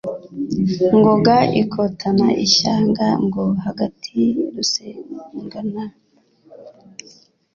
Ngoga ikotana ishyanga ngo hatagira igisigara, ya Rusengatabaro nabaye imena mu z' imbere,